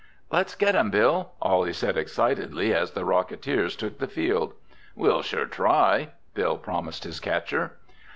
"Let's get 'em, Bill!" Ollie said excitedly as the Rocketeers took the field. "We'll sure try," Bill promised his catcher.